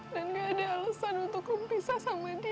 dan gak ada alesan untuk rum pisah sama dia